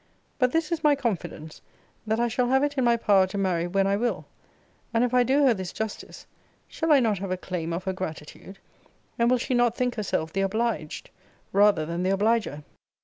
But this is my confidence, that I shall have it in my power to marry when I will. And if I do her this justice, shall I not have a claim of her gratitude? And will she not think herself the obliged, rather than the obliger?